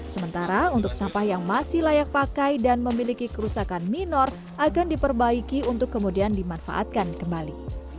sementara untuk sampah yang masih layak pakai dan memiliki kerusakan minor akan diperbaiki untuk kemudian dimanfaatkan kembali